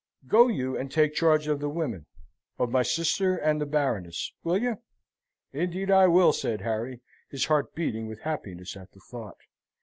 Go you and take charge of the women, of my sister and the Baroness, will you?" "Indeed I will," said Harry, his heart beating with happiness at the thought.